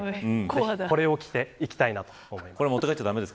これも着て行きたいと思います。